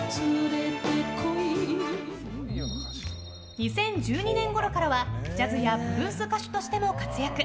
２０１２年ごろからはジャズやブルース歌手としても活躍。